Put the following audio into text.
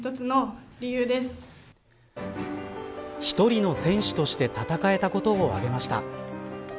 一人の選手として戦えたことを挙げました。